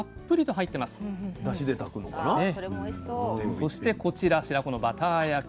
そしてこちら白子のバター焼き。